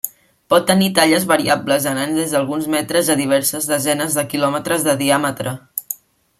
Pot tenir talles variables anant des d'alguns metres a diverses desenes de quilòmetres de diàmetre.